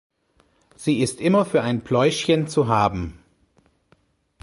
Sie ist immer für ein Pläuschen zu haben.